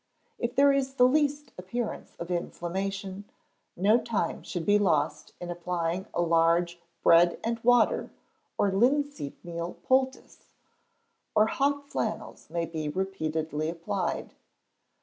If there is the least appearance of inflammation, no time should be lost in applying a large bread and water or linseed meal poultice, or hot flannels may be repeatedly applied.